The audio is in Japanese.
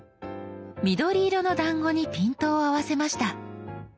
緑色のだんごにピントを合わせました。